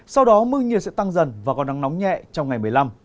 sau đó mưa nhiệt sẽ tăng dần và còn nắng nóng nhẹ trong ngày một mươi năm